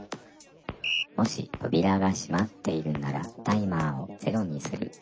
「もしとびらがしまっているならタイマーを０にする」。